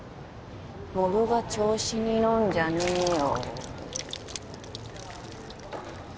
モブが調子に乗んじゃねえよ